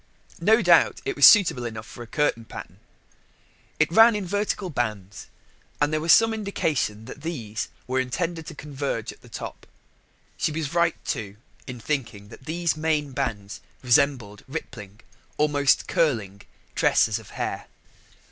No doubt it was suitable enough for a curtain pattern: it ran in vertical bands, and there was some indication that these were intended to converge at the top. She was right, too, in thinking that these main bands resembled rippling almost curling tresses of hair.